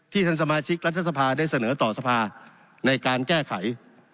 ท่านสมาชิกรัฐสภาได้เสนอต่อสภาในการแก้ไข